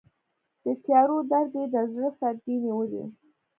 د تیارو درد یې د زړه سردې نیولی